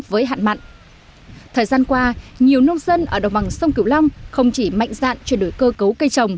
với hạn mặn thời gian qua nhiều nông dân ở đồng bằng sông cửu long không chỉ mạnh dạn chuyển đổi cơ cấu cây trồng